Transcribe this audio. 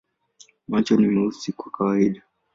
Macho ni meusi kwa kawaida.